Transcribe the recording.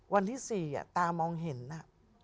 วันที่๔ตามองเห็นน่ะ